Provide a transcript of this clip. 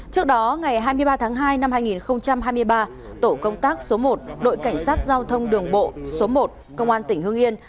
trước đó ngày hai mươi ba tháng hai năm hai nghìn hai mươi ba tổ công tác số một đội cảnh sát giao thông đường bộ số một công an tỉnh hương yên